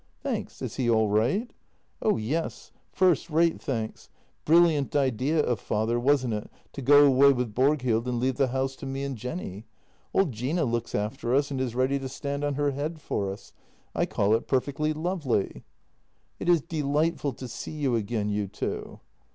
" Thanks — is he all right? "" Oh yes — first rate, thanks. Brilliant idea of father, 212 JENNY wasn't it, to go away with Borghild and leave the house to me and Jenny? Old Gina looks after us, and is ready to stand on her head for us. I call it perfectly lovely." " It is delightful to see you again, you two."